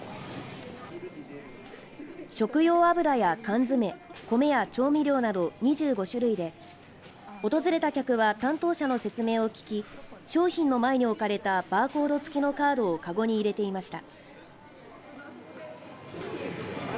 食用油や缶詰米や調味料など２５種類で訪れた客は担当者の説明を聞き商品の前に置かれたバーコード付きのカードをかごに入れていました。